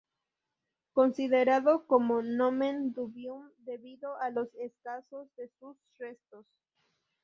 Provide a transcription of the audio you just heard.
Considerado como "nomen dubium" debido a lo escasos de sus restos.